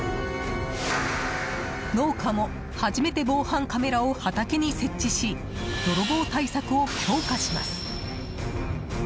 農家も、初めて防犯カメラを畑に設置し泥棒対策を強化します。